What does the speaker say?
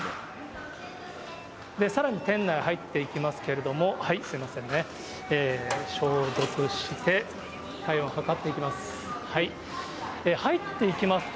さらに店内入っていきますけれども、すみませんね、消毒して、体温を測っていきます。